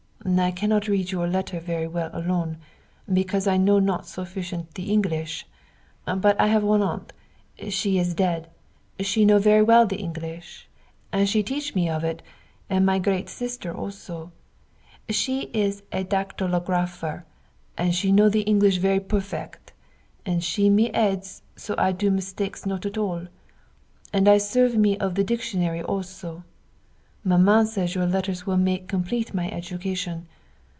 I cannot to read your letter very well alone, because I know not sufficient the English. But I have one aunt, she is dead, she know very well the English, and she teach me of it and my great sister also; she is a dactylographer, and she know the English very perfect, and she me aids so I do mistakes not at all. And I serve me of the dictionary also. Maman say your letters will make complete my education.